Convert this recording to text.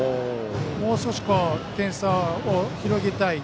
もう少し点差を広げたい。